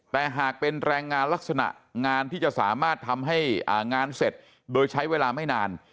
แต่หากเป็นแรงงานลักษณะงานที่จะสามารถทำให้งานเสร็จโดยใช้เวลาไม่นาน